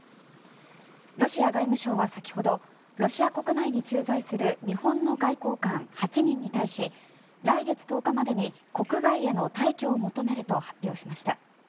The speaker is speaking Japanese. ロシア外務省は先ほどロシア国内に駐在する日本の外交官８人に対し来月１０日までに国外への退去を求めると発表しました。